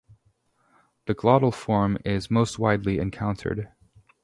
The glottal form is most widely encountered.